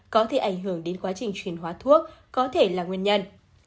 có thể ảnh hưởng đến quá trình chuyển hóa thuốc có thể là nguyên nhân